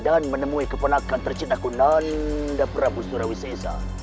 dan menemui keponakan tercintaku nanda prabu surawi seja